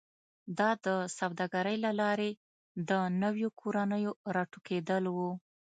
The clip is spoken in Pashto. دا د سوداګرۍ له لارې د نویو کورنیو راټوکېدل و